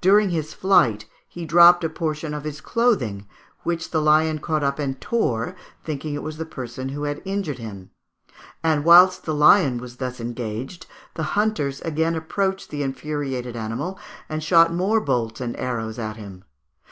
During his flight he dropped a portion of his clothing, which the lion caught up and tore, thinking it was the person who had injured him; and whilst the lion was thus engaged the hunters again approached the infuriated animal and shot more bolts and arrows at him.